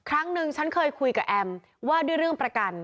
ครั้งนึงฉันเคยคุยกับแอมว่าด้วยเรื่องประกัน